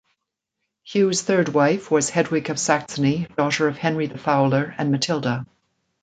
Hugh's third wife was Hedwig of Saxony, daughter of Henry the Fowler and Matilda.